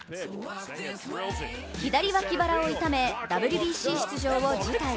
左脇腹をいためＷＢＣ出場を辞退。